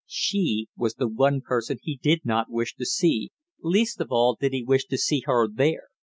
She was the one person he did not wish to see, least of all did he wish to see her there.